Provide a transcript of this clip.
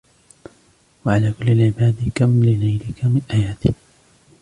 وعلى كل العباد كم لنيلكِ من أيادِ